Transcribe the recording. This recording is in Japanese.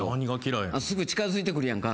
すぐ近づいてくるやんか。